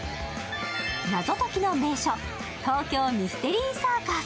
謎解きの名所、東京ミステリーサーカス。